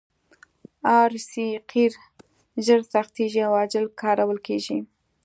ار سي قیر ژر سختیږي او عاجل کارول کیږي